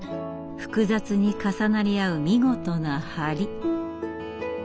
複雑に重なり合う見事な梁。